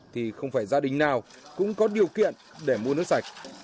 thì không phải gia đình nào cũng có điều kiện để mua nước sạch